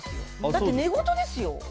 だって寝言ですよ。